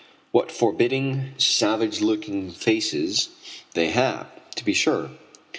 What forbidding, savage looking faces they have, to be sure!